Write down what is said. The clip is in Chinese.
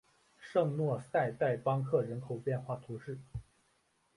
圣若塞代邦克人口变化图示